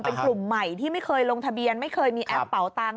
เป็นกลุ่มใหม่ที่ไม่เคยลงทะเบียนไม่เคยมีแอปเป่าตังค